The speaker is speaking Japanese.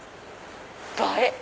映え！